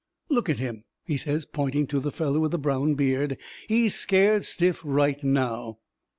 "Look at him," he says, pointing to the feller with the brown beard, "he's scared stiff right now."